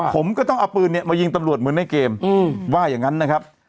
ผมก็ต้องเอาปืนเนี่ยมายิงตำรวจเหมือนในเกมว่าอย่างนั้นนะครับ